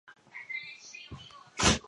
在许多的案例中记载有这种疾病。